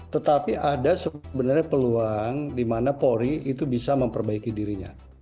tetapi ada sebenarnya peluang di mana polri itu bisa memperbaiki dirinya